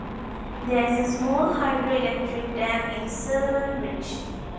There is a small hydroelectric dam in Severn Bridge.